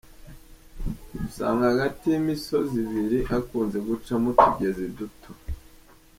usanga hagati y'imisozi ibiri hakunze gucamo utugezi duto.